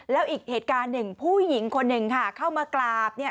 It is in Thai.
แล้วอีกเหตุการณ์หนึ่งผู้หญิงคนหนึ่งค่ะเข้ามากราบเนี่ย